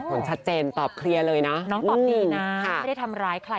วักษณะเป็นเพื่อนกันดีกว่านะ